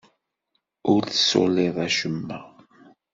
Ur tessuliḍ acemma.